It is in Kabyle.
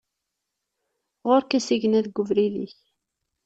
Ɣur-k asigna deg ubrid-ik!